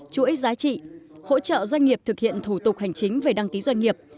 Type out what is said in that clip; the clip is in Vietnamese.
chuỗi giá trị hỗ trợ doanh nghiệp thực hiện thủ tục hành chính về đăng ký doanh nghiệp